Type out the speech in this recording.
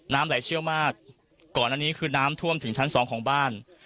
น้ำไหลเชี่ยวมากก่อนอันนี้คือน้ำท่วมถึงชั้นสองของบ้าน